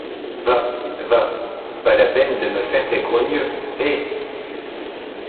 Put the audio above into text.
Va, va, pas la peine de me faire tes gros n’yeux, hé !